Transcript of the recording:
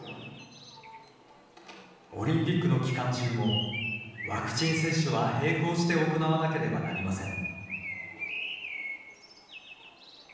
オリンピックの期間中もワクチン接種は並行して行わなければなりません。